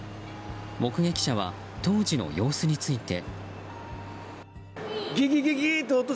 目撃者は当時の様子について。